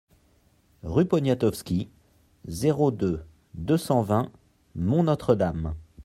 Rue Poniatowski, zéro deux, deux cent vingt Mont-Notre-Dame